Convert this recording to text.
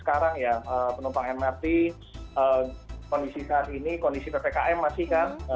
sekarang ya penumpang mrt kondisi saat ini kondisi ppkm masih kan